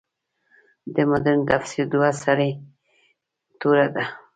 د مډرن تفسیر دوه سرې توره ده.